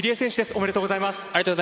おめでとうございます。